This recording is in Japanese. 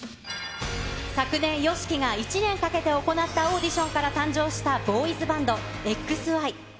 昨年、ＹＯＳＨＩＫＩが１年かけて行ったオーディションから誕生したボーイズ・バンド、ＸＹ。